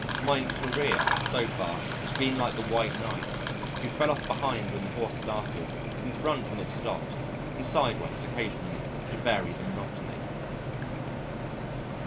"My career" so far has been like the White Knight's, who fell off behind when the horse started, in front when it stopped, and sideways occasionally to vary the monotony.